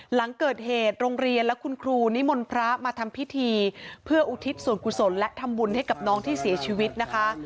หลังเกิดเหตุโรงเรียนและคุณครูนิมนต์พระมาทำพิธีเพื่ออุทิศส่วนกุศลและทำบุญให้กับน้องที่เสียชีวิตนะคะ